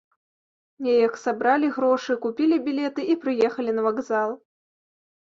Неяк сабралі грошы, купілі білеты і прыехалі на вакзал.